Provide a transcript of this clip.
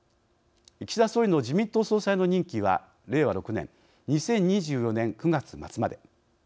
岸田総理の自民党総裁の任期は令和６年２０２４年９月末まで。